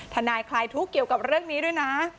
ทนายคลายทุกข์เกี่ยวกับเรื่องนี้ด้วยนะ